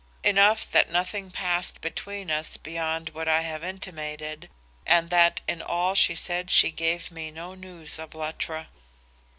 Enough that nothing passed between us beyond what I have intimated, and that in all she said she gave me no news of Luttra.